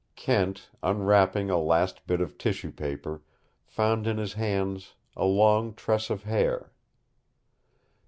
Kent, unwrapping a last bit of tissue paper, found in his hands a long tress of hair.